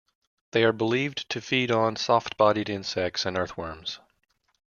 They are believed to feed on soft-bodied insects and earthworms.